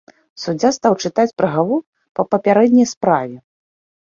Суддзя стаў чытаць прыгавор па папярэдняй справе.